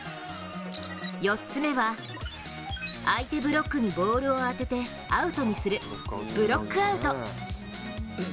４つ目は相手ブロックにボールを当ててアウトにするブロックアウト。